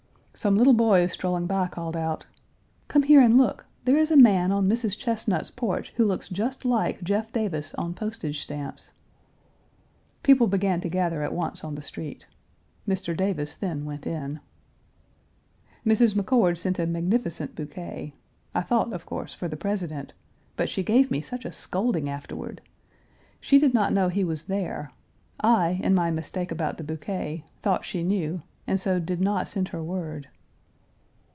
Some little boys strolling by called out, "Come here and look; there is a man on Mrs. Chesnut's porch who looks just like Jeff Davis on postage stamps." People began to gather at once on the street. Mr. Davis then went in. Mrs. McCord sent a magnificent bouquet I thought, of Page 329 course, for the President; but she gave me such a scolding afterward. She did not know he was there; I, in my mistake about the bouquet, thought she knew, and so did not send her word.